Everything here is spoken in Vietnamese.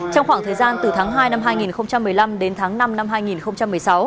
trong khoảng thời gian từ tháng hai năm hai nghìn một mươi năm đến tháng năm năm hai nghìn một mươi sáu